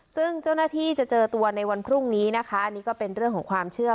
ซึ่งเจ้าหน้าที่จะเจอตัวในวันพรุ่งนี้นะคะอันนี้ก็เป็นเรื่องของความเชื่อ